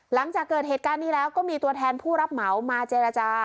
หลังจากเกิดเหตุการณ์นี้แล้วก็มีตัวแทนผู้รับเหมามาเจรจา